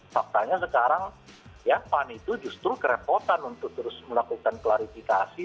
faktanya sekarang ya pan itu justru kerepotan untuk terus melakukan klarifikasi